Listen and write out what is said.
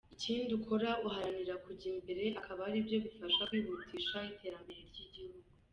Ikindi ukora uharanira kujya mbere akaba aribyo bifasha kwihutisha iterambere ry’igihugu.